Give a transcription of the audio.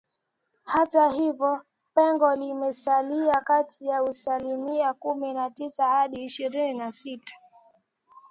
hata hivyo pengo limesalia kati ya asilimia kumi na tisa hadi ishirini na sita